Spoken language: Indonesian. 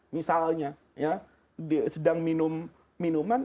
misalnya sedang minum minuman